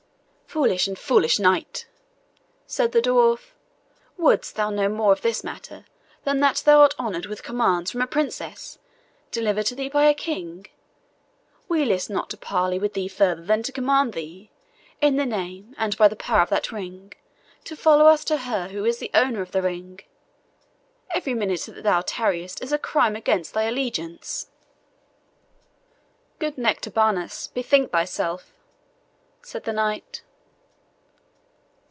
"Fond and foolish Knight," said the dwarf, "wouldst thou know more of this matter than that thou art honoured with commands from a princess, delivered to thee by a king? We list not to parley with thee further than to command thee, in the name and by the power of that ring, to follow us to her who is the owner of the ring. Every minute that thou tarriest is a crime against thy allegiance." "Good Nectabanus, bethink thyself," said the knight.